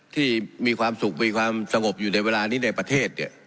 ที่มีความสุขมีความสงบอยู่ในเวลานี้ในประเทศ